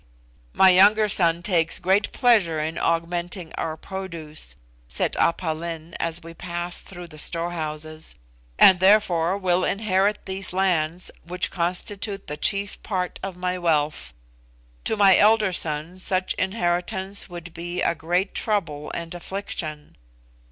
"My younger son takes great pleasure in augmenting our produce," said Aph Lin as we passed through the storehouses, "and therefore will inherit these lands, which constitute the chief part of my wealth. To my elder son such inheritance would be a great trouble and affliction."